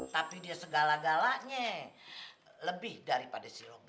tapi dia segala galanya lebih daripada si romi